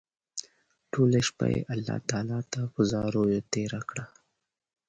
ټوله شپه يې الله تعالی ته په زاريو تېره کړه